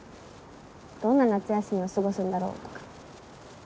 どんな夏休みを過ごすんだろう？とか。